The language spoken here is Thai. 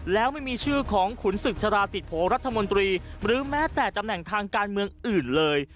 แล้วไม่มีชื่อของขุนศึกชราติโภรัฐมนตรีหรือแม้แต่ตำแหน่งทางการเมืองอื่นเลย